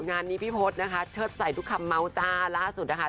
งานนี้พี่พศนะคะเชิดใส่ทุกคำเม้าจ้าล่าสุดนะคะ